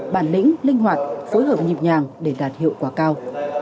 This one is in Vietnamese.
bản lĩnh linh hoạt phối hợp nhịp nhàng để đạt hiệu quả cao